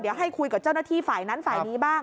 เดี๋ยวให้คุยกับเจ้าหน้าที่ฝ่ายนั้นฝ่ายนี้บ้าง